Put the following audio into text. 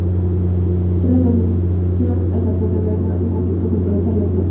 Tras su anexión al cantón de Berna, un conflicto cultural salió a flote.